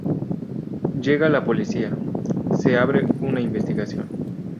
Llega la policía, se abre una investigación.